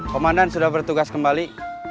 komandan sudah bertugas kembali